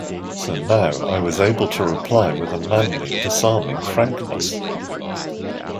So now I was able to reply with a manly, disarming frankness.